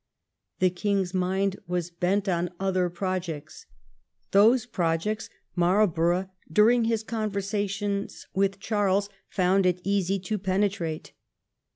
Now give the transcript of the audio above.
The King's mind was bent on other projects. Those projects Marlborough, during his conversations with Charles, found it easy to penetrate.